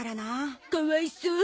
かわいそう。